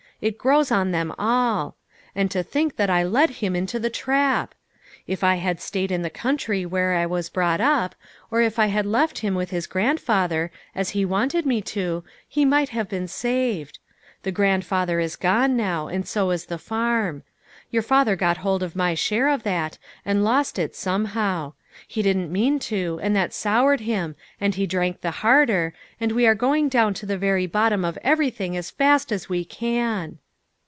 It grows on them all. And to think that I led him into the trap ! If I had stayed in the country where I was brought up, or if I had left him with his grandfather, as he wanted me to, he might have been saved. The grand father is gone now, and so is the farm. Your father got hold of my share of that, and lost it somehow. He didn't mean to, and that soured him, and he drank the harder, and we are going down to the very bottom of everything as fast as we can."